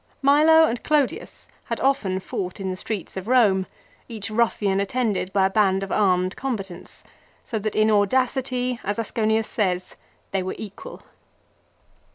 Milo and Clodius had often fought in the streets of Rome, each ruffian attended by a band of armed combatants, so that in audacity, as Asconius says, they were equal.